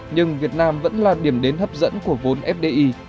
nhưng việt nam vẫn là điểm đến hấp dẫn của vốn fdi